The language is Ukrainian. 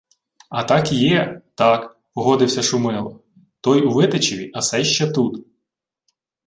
— А так є, так, — погодився Шумило. — Той у Витичеві, а сей ще тут.